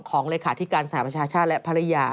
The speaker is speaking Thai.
เลขาธิการสหประชาชาติและภรรยา